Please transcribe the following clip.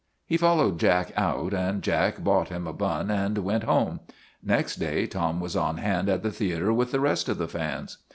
He followed Jack out and Jack bought him a bun and went home. Next day Tom was on hand at the theater with the rest of the fans.